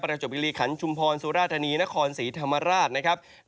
จบอิริขันชุมพรสุราธานีนครศรีธรรมราชนะครับ